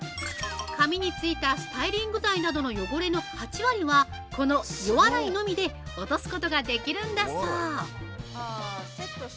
髪についたスタイリング剤などの汚れの８割は、この予洗いのみで落とすことができるんだそう！